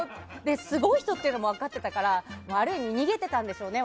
すごい人っていうのも分かってたからある意味逃げてたんでしょうね